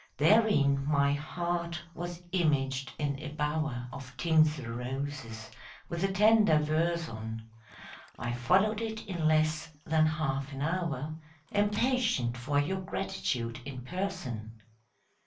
Therein my heart was imaged in a bower Of tinsel roses, with a tender verse on ; I followed it in less than half an hour Impatient for your gratitude in person.